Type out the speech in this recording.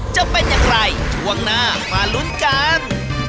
จะเป็นอย่างไรช่วงหน้ามาลุ้นกัน